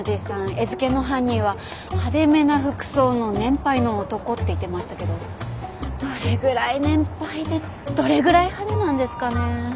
餌付けの犯人は派手めな服装の年配の男って言ってましたけどどれぐらい年配でどれぐらい派手なんですかねえ。